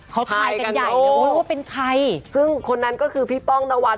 เขาใช้ใหญ่ฟะเราว่าเป็นใครซึ่งคนนั้นก็คือพี่ป้องวัด